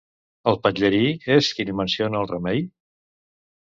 El Patllari és qui li menciona el remei?